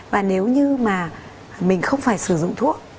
và nếu như mà mình không phải sử dụng thuốc